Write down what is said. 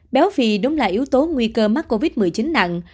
béo phì đúng là yếu tố nguy cơ mắc covid một mươi chín nặng